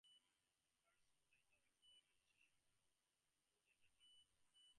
This period saw a cycle of experimentation with entertainment.